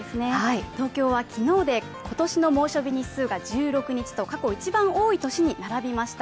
東京は昨日で今年の猛暑日日数が１６日と過去一番多い年に並びました。